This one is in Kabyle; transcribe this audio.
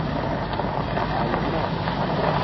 Ɛelmeɣ.